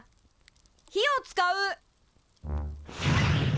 火を使う！